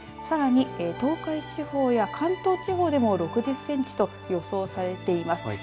さらに、東海地方や関東地方でも６０センチと予想されています。